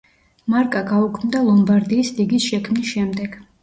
მარკა გაუქმდა ლომბარდიის ლიგის შექმნის შემდეგ.